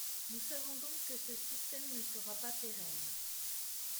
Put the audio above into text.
Nous savons donc que ce système ne sera pas pérenne.